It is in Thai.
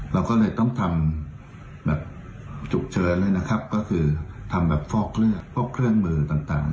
เราก็เลยต้องทำจุกเชิญเลยนะครับก็คือทำแบบฟอกเครื่องมือต่าง